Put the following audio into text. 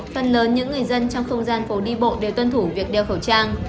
phần lớn những người dân trong không gian phố đi bộ đều tuân thủ việc đeo khẩu trang